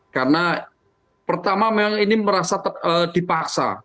karena pertama memang ini merasa dipaksa